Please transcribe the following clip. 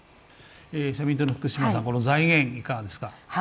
社民党の福島さん、この財源はいかがですか？